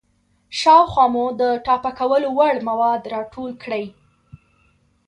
شاوخوا مو د ټاپه کولو وړ مواد راټول کړئ.